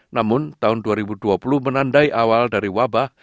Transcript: namun tahun dua ribu dua puluh menandai awal dari wabah